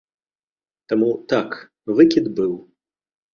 Таму так, выкід быў.